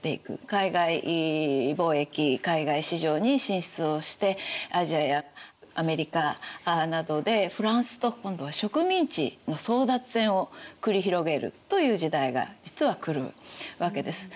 海外貿易海外市場に進出をしてアジアやアメリカなどでフランスと今度は植民地の争奪戦を繰り広げるという時代が実は来るわけです。